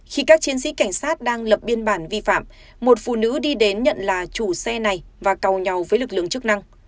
khi các chiến sĩ cảnh sát đang lập biên bản vi phạm một phụ nữ đi đến nhận là chủ xe này và cầu nhau với lực lượng chức năng